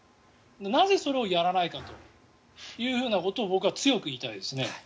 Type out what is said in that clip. なぜ、それをやらないかということを僕は強く言いたいですね。